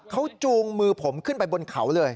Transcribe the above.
เขาจูงมือผมขึ้นไปบนเขาเลย